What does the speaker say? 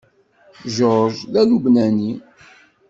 George d Alubnani.